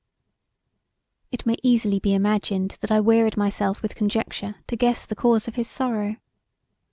It may easily be imagined that I wearied myself with conjecture to guess the cause of his sorrow.